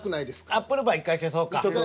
アップルパイ１回消そうか。